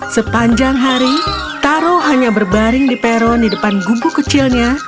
sepanjang hari taro hanya berbaring di peron di depan gugu kecilnya